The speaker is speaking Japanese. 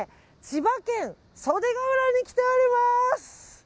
千葉県袖ケ浦に来ております！